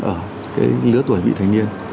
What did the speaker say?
ở cái lứa tuổi bị thành niên